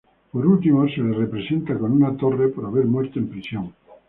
Por último, se la representa con una torre, por haber muerto en prisión.